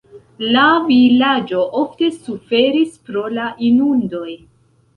La vilaĝo ofte suferis pro la inundoj.